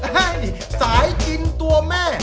สายกินตัวแม่